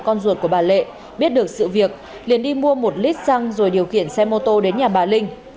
con ruột của bà lệ biết được sự việc liền đi mua một lít xăng rồi điều khiển xe mô tô đến nhà bà linh